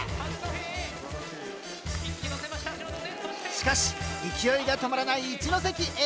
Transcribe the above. しかし勢いが止まらない一関Ａ。